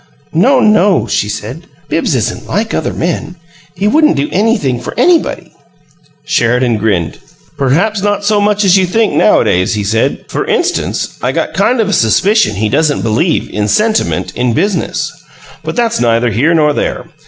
"No, no," she said. "Bibbs isn't like other men he would do anything for anybody." Sheridan grinned. "Perhaps not so much as you think, nowadays," he said. "For instance, I got kind of a suspicion he doesn't believe in 'sentiment in business.' But that's neither here nor there.